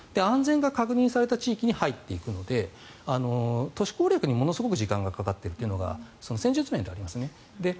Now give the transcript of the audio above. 安全が確認された地域に入っていくので都市攻略にものすごく時間がかかっているというのが戦術面ではありますね。